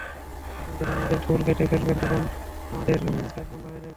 আপনি যখন আমাদের ঢোল কেটে ফেলেন, তখন আমাদের কাজ বন্ধ হয়ে যায়।